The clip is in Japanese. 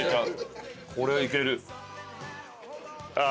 これいける。